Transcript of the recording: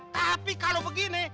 tapi kalau begini